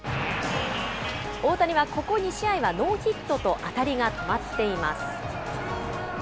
大谷はここ２試合はノーヒットと当たりが止まっています。